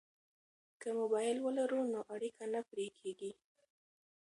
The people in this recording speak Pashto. که موبایل ولرو نو اړیکه نه پرې کیږي.